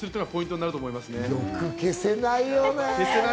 欲、消せないよね。